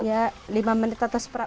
ya lima menit atau empat jam lah